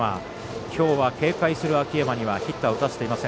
きょうは警戒する秋山にはヒットは打たせていません。